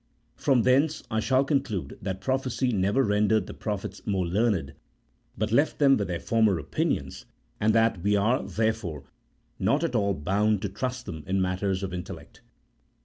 From thence I shall con clude that prophecy never rendered the prophets more learned, but left them with their former opinions, and that we are, therefore, not at all bound to trust them in matters of intellect.